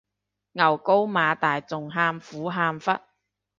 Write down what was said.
牛高馬大仲喊苦喊忽